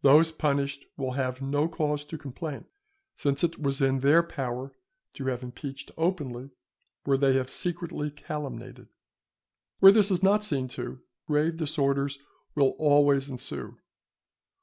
Those punished will have no cause to complain, since it was in their power to have impeached openly where they have secretly calumniated. Where this is not seen to, grave disorders will always ensue.